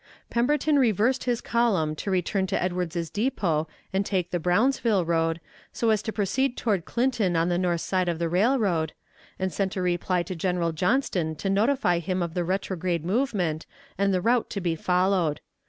Pemberton reversed his column to return to Edwards's Depot and take the Brownsville road, so as to proceed toward Clinton on the north side of the railroad, and sent a reply to General Johnston to notify him of the retrograde movement and the route to be followed.